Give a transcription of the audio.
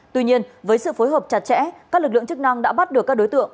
tuy nhiên với sự phối hợp chặt chẽ các lực lượng chức năng đã bắt được các đối tượng